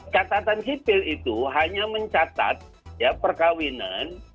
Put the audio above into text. catatan sipil itu hanya mencatat perkawinan